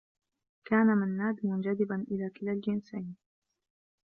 كان منّاد منجذبا إلى كلا الجنسين.